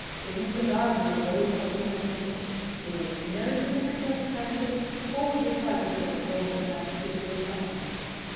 Even in the garden we wave away a mosquito. Either its note is in itself offensive or we dislike it as the voice of an unscrupulous enemy.